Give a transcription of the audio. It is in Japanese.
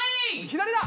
左だ！